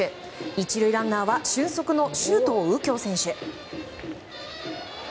１塁ランナーは俊足の周東佑京選手。